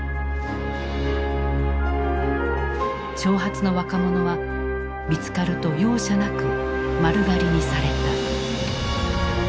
長髪の若者は見つかると容赦なく丸刈りにされた。